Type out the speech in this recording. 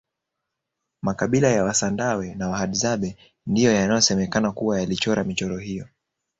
makabila ya wasandawe na wahadzabe ndiyo yanaosemekana kuwa yalichora michoro hiyo